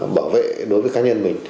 bảo vệ đối với cá nhân mình